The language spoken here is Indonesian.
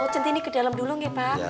oh centini ke dalem dulu nge pak